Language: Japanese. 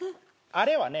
あれは何？